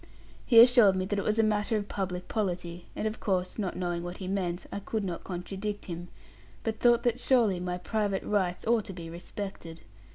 He assured me that it was a matter of public polity; and of course, not knowing what he meant, I could not contradict him; but thought that surely my private rights ought to be respected.